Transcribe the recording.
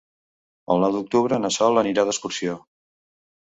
El nou d'octubre na Sol anirà d'excursió.